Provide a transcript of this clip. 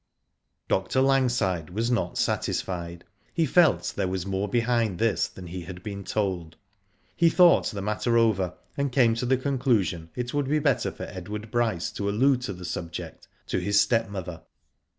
Dr. Langside was not satisfied. He felt there was more behind this than he had been told. He thought the matter over, and came to the conclusion it would be better for Edward Bryce to allude to the subject to his stepmother.